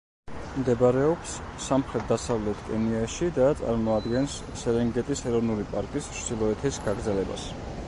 მდებარეობს სამხრეთ-დასავლეთ კენიაში და წარმოადგენს სერენგეტის ეროვნული პარკის ჩრდილოეთის გაგრძელებას.